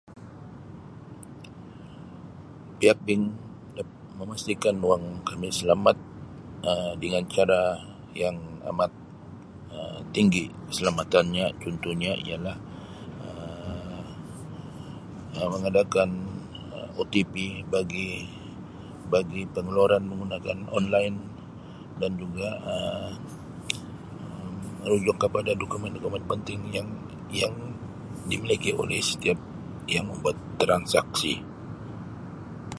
Tiap bank memastikan wang kami selamat Um dengan cara yang amat Um tinggi keselamatannya ialah Um mengadakan Um OTP bagi-bagi pengeluaran menggunakan online dan juga Um rujuk kepada dokumen-dokumen penting yang-yang dimiliki oleh setiap yang membuat transaksi.